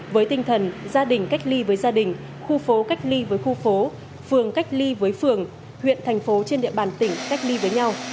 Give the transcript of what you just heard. với tinh thần gia đình cách ly với gia đình khu phố cách ly với khu phố phường cách ly với phường huyện thành phố trên địa bàn tỉnh cách ly với nhau